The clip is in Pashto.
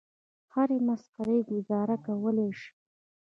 هرې مسخرې ګوزاره کولای شي.